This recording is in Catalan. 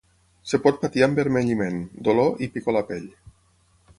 Es pot patir envermelliment, dolor i picor a la pell.